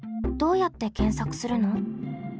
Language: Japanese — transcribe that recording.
どうやって検索するの？